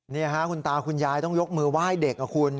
นี่ค่ะคุณตาคุณยายต้องยกมือไหว้เด็กนะคุณ